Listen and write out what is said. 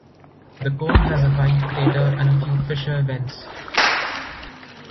The cone has a wide crater and a few fissure vents.